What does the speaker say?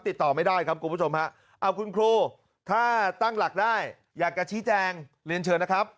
ติดต่อไม่ได้ครับคุณผู้ชมฮะเอาคุณครูถ้าตั้งหลักได้อยากจะชี้แจงเรียนเชิญนะครับ